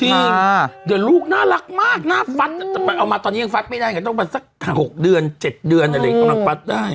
จริงเด็กหนูน่ารักมากยังฝัดนานี่ยังฝัดไม่ได้นี้ถ้าน้ำฝัดได้